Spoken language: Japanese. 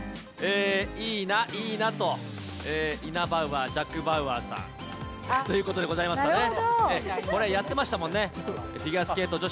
いーな、いーなと、イナバウアー、ジャック・バウアーさんということでございますよなるほど。